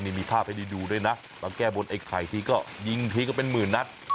นี่มีภาพให้ได้ดูด้วยนะมาแก้บนไอ้ไข่ทีก็ยิงทีก็เป็นหมื่นนัด